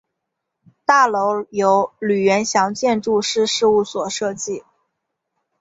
大楼由吕元祥建筑师事务所设计。